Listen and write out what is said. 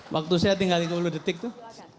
waktu saya tinggal sepuluh detik tuh